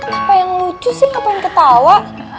gapapa yang lucu sih gapapa yang ketawa